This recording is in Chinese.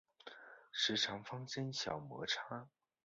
时常发生小摩擦